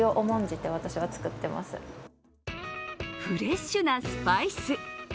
フレッシュなスパイス。